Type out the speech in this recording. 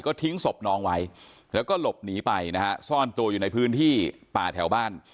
ก็ทิ้งศพน้องไว้แล้วก็หลบหนีไปนะฮะซ่อนตัวอยู่ในพื้นที่ป่าแถวบ้าน